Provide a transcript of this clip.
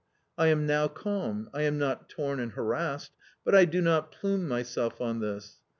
I am now calm ; I am not torn and harassed, but I do not plume myself on this.